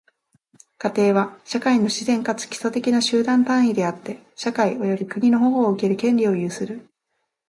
家庭は、社会の自然かつ基礎的な集団単位であって、社会及び国の保護を受ける権利を有する。